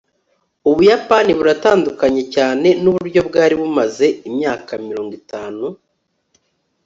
ubuyapani buratandukanye cyane nuburyo bwari bumaze imyaka mirongo itanu